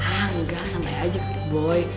engga santai aja boy